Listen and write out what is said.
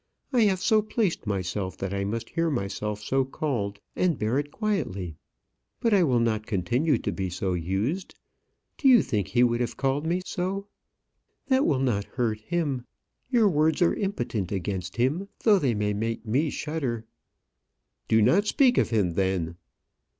I have so placed myself that I must hear myself so called and bear it quietly; but I will not continue to be so used. Do you think he would have called me so?" "Damn him!" "That will not hurt him. Your words are impotent against him, though they may make me shudder." "Do not speak of him, then."